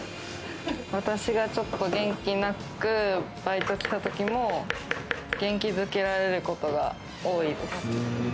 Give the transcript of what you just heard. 私がちょっと元気なくてバイトきたときも、元気付けられることが多いです。